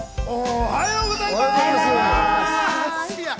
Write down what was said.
おはようございます。